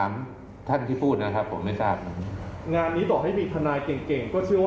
ฟังท่านเพิ่มค่ะบอกว่าถ้าผู้ต้องหาหรือว่าคนก่อเหตุฟังอยู่